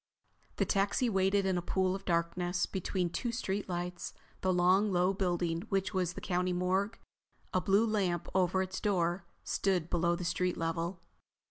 The taxi waited in a pool of darkness between two street lights. The long, low building which was the County morgue, a blue lamp over its door, stood below the street level.